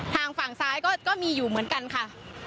ทางฝั่งซ้ายก็มีอยู่เหมือนกันค่ะ